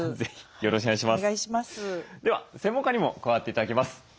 よろしくお願いします。